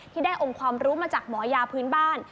ที่ได้องค์ความรู้มาจากหมอยาพื้นบ้าน